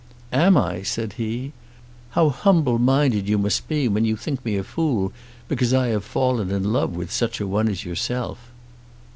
"Am I?" said he. "How humble minded you must be when you think me a fool because I have fallen in love with such a one as yourself."